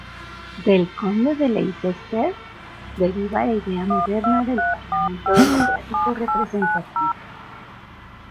Del conde de Leicester deriva la idea moderna de Parlamento democrático representativo.